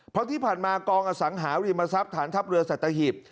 เพราะที่ผ่านมากองอสังหาริมทรัพย์ฐานทัพเรือสัตหิบ